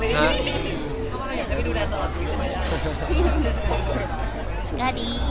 หนูค่ะ